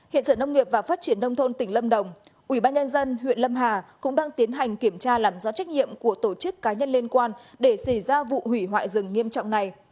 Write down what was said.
hiện sở nông nghiệp và phát triển nông thôn tỉnh lâm đồng ubnd huyện lâm hà cũng đang tiến hành kiểm tra làm rõ trách nhiệm của tổ chức cá nhân liên quan để xảy ra vụ hủy hoại rừng nghiêm trọng này